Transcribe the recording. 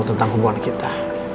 tentang kebuangan kita